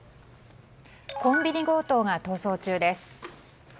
コンビニ強盗が逃走中です。